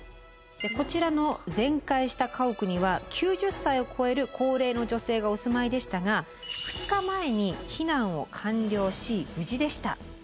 こちらの全壊した家屋には９０歳を超える高齢の女性がお住まいでしたが２日前に避難を完了し無事でした。